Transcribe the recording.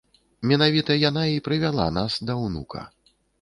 Менавіта яна і прывяла да нас унука.